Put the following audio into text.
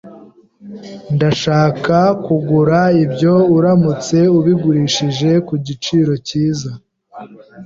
Ndashaka kugura ibyo uramutse ubigurishije ku giciro cyiza.